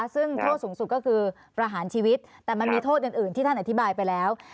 ซึ่งโทษสูงสุดก็คือประหารชีวิตแต่มันมีโทษอื่นที่ท่านอธิบายไปแล้ว